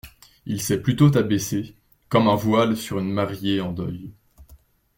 Il s’est plutôt abaissé, comme un voile sur une mariée en deuil.